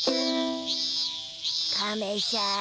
カメしゃん